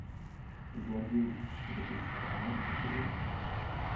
«Злодеи! – закричала она в исступлении.